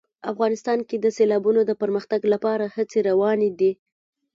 افغانستان کې د سیلابونو د پرمختګ لپاره هڅې روانې دي.